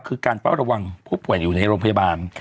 คือการเฝ้าระวังผู้ป่วยอยู่ในโรงพยาบาล